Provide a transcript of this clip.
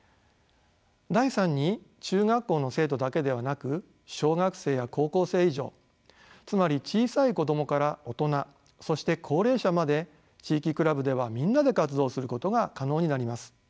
第三に中学校の生徒だけではなく小学生や高校生以上つまり小さい子供から大人そして高齢者まで地域クラブではみんなで活動することが可能になります。